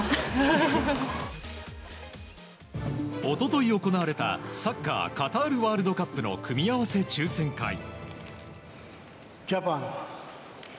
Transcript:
一昨日行われたサッカーカタールワールドカップの組み合わせ抽選会。